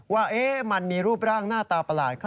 ว่ามันมีรูปร่างหน้าตาประหลาด